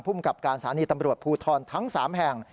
พุ่มกับการสารณีตำรวจผู้ทอนทั้ง๓แห่ง